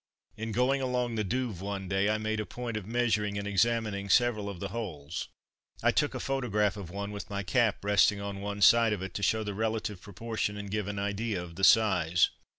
In going along the Douve one day, I made a point of measuring and examining several of the holes. I took a photograph of one, with my cap resting on one side of it, to show the relative proportion and give an idea of the size.